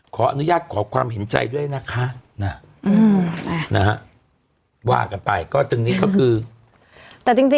ขออนุญาตขอความเห็นใจด้วยนะคะ